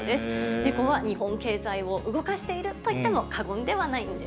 猫は日本経済を動かしていると言っても過言ではないんです。